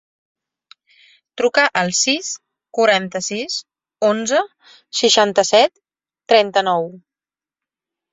Truca al sis, quaranta-sis, onze, seixanta-set, trenta-nou.